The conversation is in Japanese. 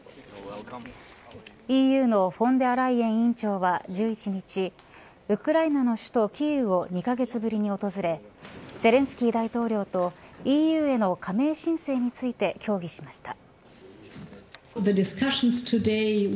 ＥＵのフォンデアライエン委員長は１１日ウクライナの首都キーウを２カ月ぶりに訪れゼレンスキー大統領とＥＵへの加盟申請について協議しました。